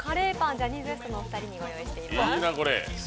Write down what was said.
ジャニーズＷＥＳＴのお二人にご用意しております。